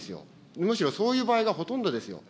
むしろそういう場合がほとんどですよ。